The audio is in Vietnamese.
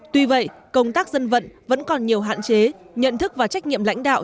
tuy vậy công tác dân vận vẫn còn nhiều hạn chế nhận thức và trách nhiệm lãnh đạo